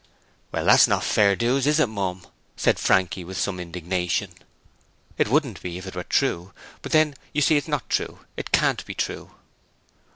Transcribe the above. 'Well, that's not fair doos, is it, Mum?' said Frankie with some indignation. 'It wouldn't be if it were true, but then you see it's not true, it can't be true.'